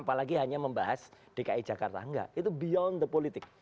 apalagi hanya membahas dki jakarta enggak itu beyond the politik